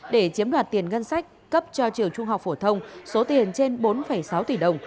để chiếm đoạt tiền ngân sách cấp cho trường trung học phổ thông số tiền trên bốn sáu tỷ đồng